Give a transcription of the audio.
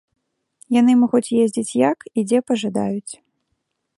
Яны могуць ездзіць як і дзе пажадаюць.